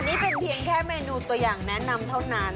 นี่เป็นเพียงแค่เมนูตัวอย่างแนะนำเท่านั้น